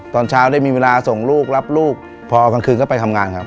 ตอนเช้าได้มีเวลาส่งลูกรับลูกพอกลางคืนก็ไปทำงานครับ